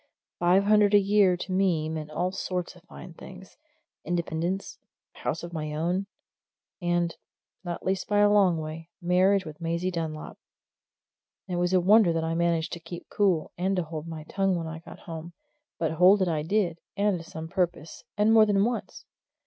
Five hundred a year to me meant all sorts of fine things independence, and a house of my own, and, not least by a long way, marriage with Maisie Dunlop. And it was a wonder that I managed to keep cool, and to hold my tongue when I got home but hold it I did, and to some purpose, and more than once.